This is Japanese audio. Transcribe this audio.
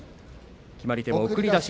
決まり手、送り出し。